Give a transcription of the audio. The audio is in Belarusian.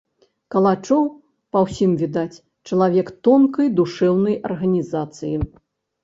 Калачоў, па ўсім відаць, чалавек тонкай душэўнай арганізацыі.